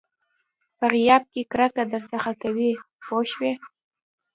په غیاب کې کرکه درڅخه کوي پوه شوې!.